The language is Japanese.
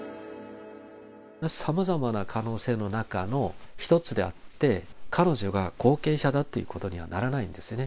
さまざまな可能性の中の一つであって、彼女が後継者だということにはならないんですよね。